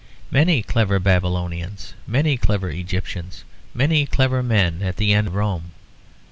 Many clever Babylonians, many clever Egyptians, many clever men at the end of Rome.